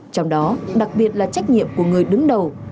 trong đó đặc biệt là trách nhiệm của người đứng đầu